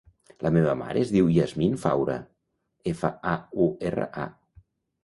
La meva mare es diu Yasmin Faura: efa, a, u, erra, a.